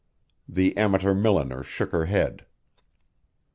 The amateur milliner shook her head.